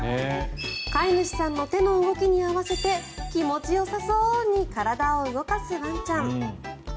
飼い主さんの手の動きに合わせて気持ちよさそうに体を動かすワンちゃん。